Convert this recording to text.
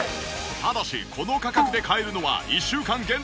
ただしこの価格で買えるのは１週間限定です。